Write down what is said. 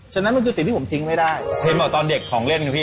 ฉะนั้นมันคือสิ่งที่ผมทิ้งไม่ได้เห็นบอกตอนเด็กของเล่นกับพี่